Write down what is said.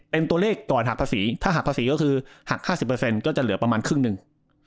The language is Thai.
เป็นตัวเลขก่อนหักภาษีถ้าหักภาษีก็คือหัก๕๐ก็จะเหลือประมาณครึ่งหนึ่ง